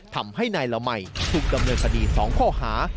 ทำให้นายละมัยถูกกำลังศดีสองข้อหา